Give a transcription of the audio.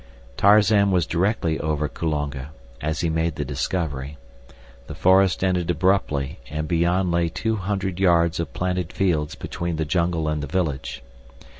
Tarzan was directly over Kulonga, as he made the discovery. The forest ended abruptly and beyond lay two hundred yards of planted fields between the jungle and the village.